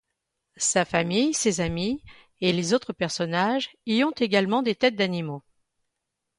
Sa famille, ses amis et les autres personnages y ont également des têtes d'animaux.